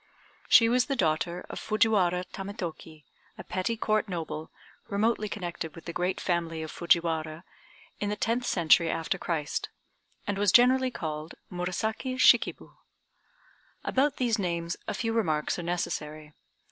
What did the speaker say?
She was the daughter of Fujiwara Tametoki, a petty Court noble, remotely connected with the great family of Fujiwara, in the tenth century after Christ, and was generally called Murasaki Shikib. About these names a few remarks are necessary.